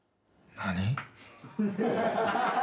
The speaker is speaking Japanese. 何？